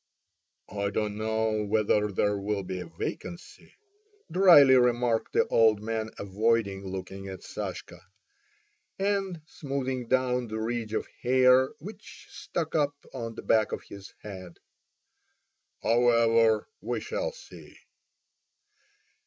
"I don't know whether there will be a vacancy," dryly remarked the old man avoiding looking at Sashka, and smoothing down the ridge of hair which stuck up on the back of his head. "However, we shall see."